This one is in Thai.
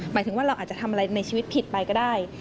หมายถึงว่าเราอาจจะทำอะไรในชีวิตผิดไปก็ได้